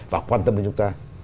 và quan tâm đến chúng ta